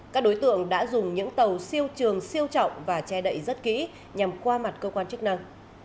các đối tượng đã dùng những tàu siêu trường siêu trọng và che đậy rất kỹ nhằm qua mặt cơ quan chức năng